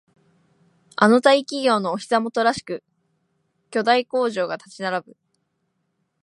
あの大企業のお膝元らしく巨大工場が立ち並ぶ